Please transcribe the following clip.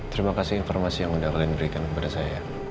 terima kasih informasi yang sudah kalian berikan kepada saya